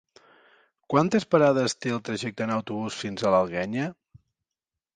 Quantes parades té el trajecte en autobús fins a l'Alguenya?